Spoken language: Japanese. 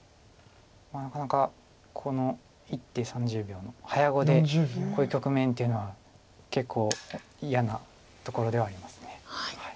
なかなかこの１手３０秒の早碁でこういう局面っていうのは結構嫌なところではあります。